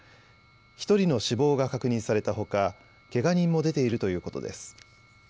１人の死亡が確認されたほかけが人も出ているということです。